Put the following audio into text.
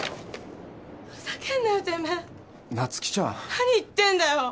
何言ってんだよ！